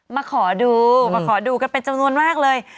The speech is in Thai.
มาขอดูมาขอดูกันเป็นจำนวนมากเลย